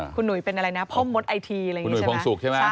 คุณหนุ่ยเป็นอะไรนะพ่อมมดไอทีอะไรอย่างนี้ใช่ไหมครับคุณหนุ่ยพองศุกร์ใช่ไหม